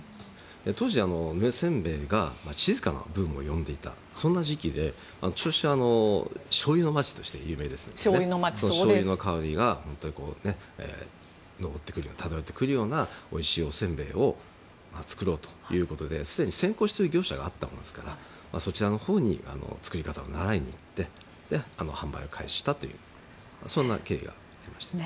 当時、ぬれ煎餅が静かなブームが呼んでいたそんな時期で、銚子はしょうゆの街として有名ですのでしょうゆの香りが漂ってくるようなおいしいお煎餅を作ろうということですでに先行している業者があったもんですからそちらのほうに作り方を習いに行って販売を開始したという経緯です。